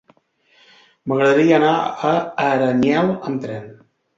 M'agradaria anar a Aranyel amb tren.